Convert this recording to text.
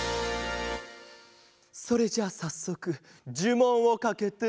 それじゃあさっそくじゅもんをかけて。